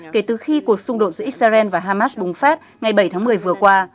kể từ khi cuộc xung đột giữa israel và hamas bùng phát ngày bảy tháng một mươi vừa qua